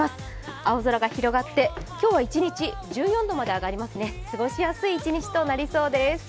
青空が広がって今日は一日、１４度まで上がりますね、過ごしやすい一日となりそうです。